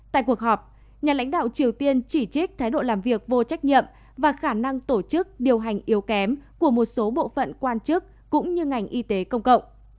tại cuộc họp nhà lãnh đạo triều tiên chỉ trích thái độ làm việc vô trách nhiệm và khả năng tổ chức điều hành yếu kém của một số bộ phận quan chức cũng như ngành y tế công cộng